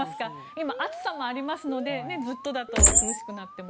今、暑さもありますのでずっとだと苦しくなっても。